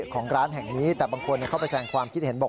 ของร้านแห่งนี้แต่บางคนเข้าไปแสงความคิดเห็นบอก